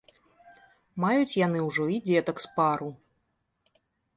Маюць яны ўжо і дзетак з пару.